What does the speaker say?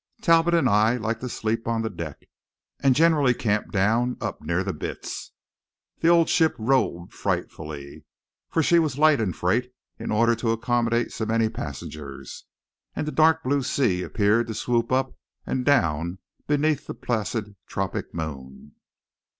Talbot and I liked to sleep on the deck; and generally camped down up near the bitts. The old ship rolled frightfully, for she was light in freight in order to accommodate so many passengers; and the dark blue sea appeared to swoop up and down beneath the placid tropic moon.